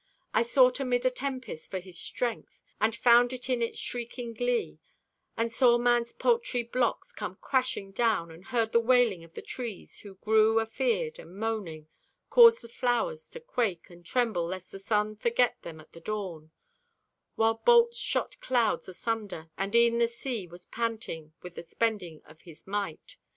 I sought amid a tempest for His strength, And found it in its shrieking glee; And saw man's paltry blocks come crashing down, And heard the wailing of the trees who grew Afeared, and, moaning, caused the flowers to quake And tremble lest the sun forget them at the dawn; While bolts shot clouds asunder, and e'en the sea Was panting with the spending of his might.